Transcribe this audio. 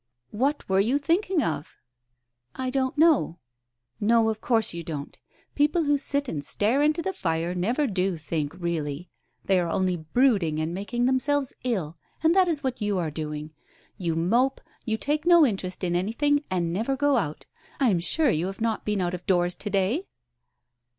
" What were you thinking of ?" "I don't know." "No, of course you don't. People who sit and stare into the fire never do think, really. They are only brooding and making themselves ill, and that is what you are doing. You mope, you take no interest in any thing, you never go out — I am sure you have not been out of doors to day